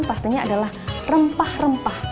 pastinya adalah rempah rempah